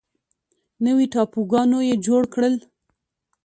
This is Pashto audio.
نوي ټاپوګانو یې جوړ کړل.